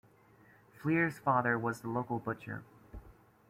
Flear's father was the local butcher.